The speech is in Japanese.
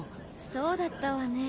そうだったわね。